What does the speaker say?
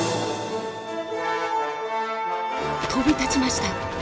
飛び立ちました。